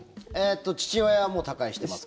父親はもう他界してます。